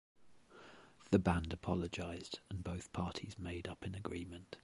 The band apologized, and both parties made up in agreement.